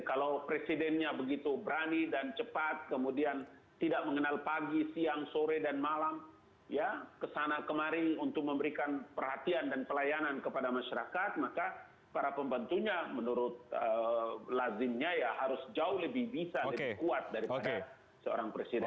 kalau presidennya begitu berani dan cepat kemudian tidak mengenal pagi siang sore dan malam ya kesana kemari untuk memberikan perhatian dan pelayanan kepada masyarakat maka para pembantunya menurut lazimnya ya harus jauh lebih bisa lebih kuat daripada seorang presiden